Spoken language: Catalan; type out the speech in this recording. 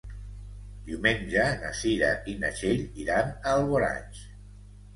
Diumenge na Cira i na Txell iran a Alboraig.